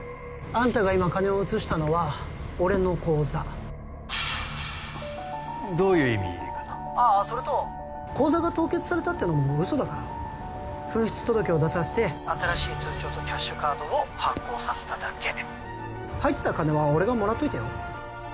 あんたが今金を移したのは俺の口座どういう意味かな☎ああそれと口座が凍結されたってのも嘘だから紛失届を出させて☎新しい通帳とキャッシュカードを発行させただけ入ってた金は俺がもらっといたよ